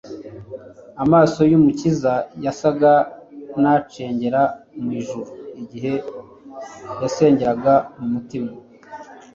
Amaso y'Umukiza yasaga n'acengera mu ijuru igihe yasengeraga mu mutima.